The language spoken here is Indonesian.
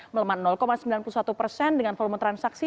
melemah sembilan puluh satu persen dengan volume transaksi